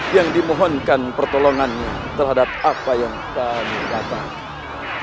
yang dimohonkan pertolongannya terhadap apa yang kami datang